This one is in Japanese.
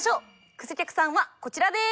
クセ客さんはこちらです。